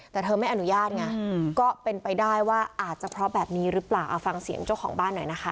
แต่เธอไม่อนุญาตไงก็เป็นไปได้ว่าอาจจะเพราะแบบนี้หรือเปล่าเอาฟังเสียงเจ้าของบ้านหน่อยนะคะ